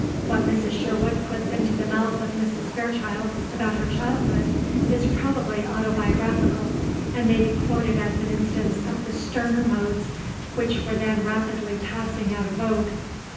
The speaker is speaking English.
What Mrs. Sherwood puts into the mouth of Mrs. Fairchild about her childhood is probably autobiographical, and may be quoted as an instance of the sterner modes which were then rapidly passing out of vogue.